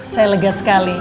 saya lega sekali